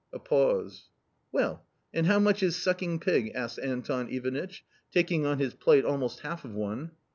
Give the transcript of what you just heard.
A pause. "Well, and how much is sucking pig?" asked Anton Ivanitch, taking on his plate almost half of one.